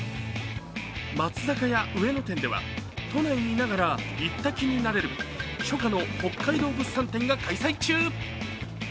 松坂屋上野店では都内にいながら行った気になれる初夏の北海道物産展が開催中。